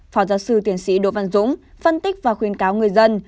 phó giáo sư tiến sĩ đỗ văn dũng phân tích và khuyến cáo người dân